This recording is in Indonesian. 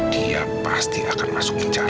dia pasti akan masuk penjara